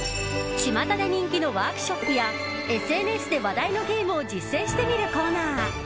ちまたで人気のワークショップやＳＮＳで話題のゲームを実践してみるコーナー